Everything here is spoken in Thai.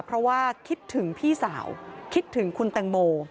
เพราะว่าคิดถึงพี่สาวคิดถึงคุณแตงโม